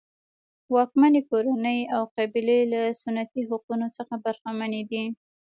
واکمنې کورنۍ او قبیلې له سنتي حقونو څخه برخمنې دي.